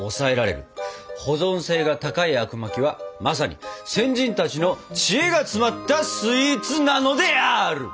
保存性が高いあくまきはまさに先人たちの知恵が詰まったスイーツなのである！